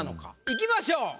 いきましょう。